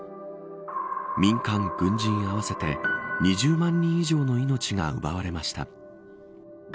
民間、軍人合わせて２０万人以上の命が奪われました。